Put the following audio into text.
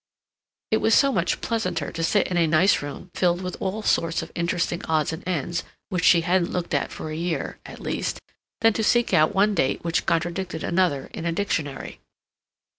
It was so much pleasanter to sit in a nice room filled with all sorts of interesting odds and ends which she hadn't looked at for a year, at least, than to seek out one date which contradicted another in a dictionary.